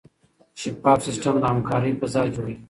شفاف سیستم د همکارۍ فضا جوړوي.